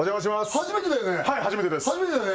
初めてだよね？